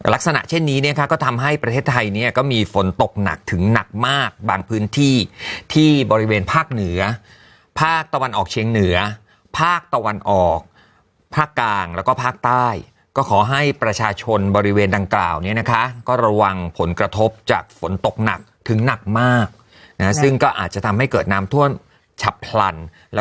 ลักษณะเช่นนี้เนี่ยค่ะก็ทำให้ประเทศไทยเนี่ยก็มีฝนตกหนักถึงหนักมากบางพื้นที่ที่บริเวณภาคเหนือภาคตะวันออกเชียงเหนือภาคตะวันออกภาคกลางแล้วก็ภาคใต้ก็ขอให้ประชาชนบริเวณดังกล่าวเนี่ยนะคะก็ระวังผลกระทบจากฝนตกหนักถึงหนักมากนะซึ่งก็อาจจะทำให้เกิดน้ำท่วมฉับพลันแล้ว